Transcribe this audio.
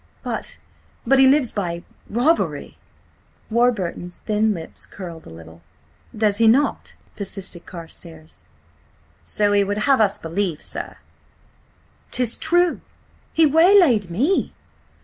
"But–but he lives by–robbery!" Warburton's thin lips curled a little. "Does he not?" persisted Carstares. "So he would have us believe, sir." "'Tis true! He–waylaid me!"